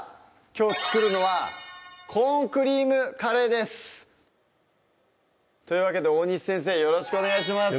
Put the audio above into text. きょう作るのは「コーンクリームカレー」ですというわけで大西先生よろしくお願いします